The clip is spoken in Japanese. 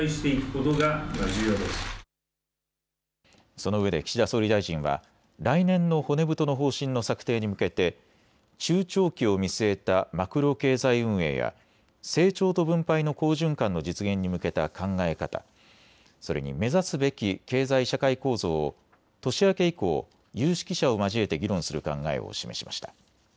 そのうえで岸田総理大臣は来年の骨太の方針の策定に向けて中長期を見据えたマクロ経済運営や成長と分配の好循環の実現に向けた考え方、それに目指すべき経済社会構造を年明け以降、有識者を交えて議論する考えを示しました。